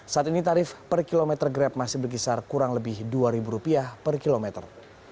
saat ini tarif per kilometer grab masih berkisar kurang lebih rp dua per kilometer